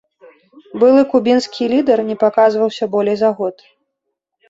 Былы кубінскі лідар не паказваўся болей за год.